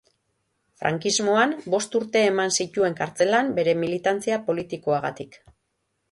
Frankismoan, bost urte eman zituen kartzelan bere militantzia politikoagatik.